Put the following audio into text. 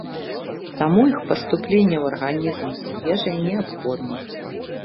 Таму іх паступленне ў арганізм з ежай неабходна.